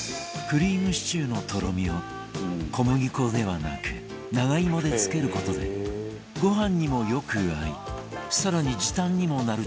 クリームシチューのとろみを小麦粉ではなく長芋でつける事でご飯にもよく合い更に時短にもなるという